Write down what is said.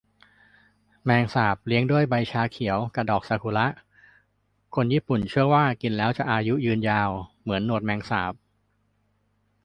แมงสาบเลี้ยงด้วยใบชาเขียวกะดอกซากูระ คนญี่ปุ่นเชื่อว่ากินแล้วจะอายุยืนยาว เหมือนหนวดแมงสาบ